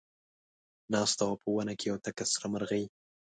ناسته وه په ونه کې یوه تکه سره مرغۍ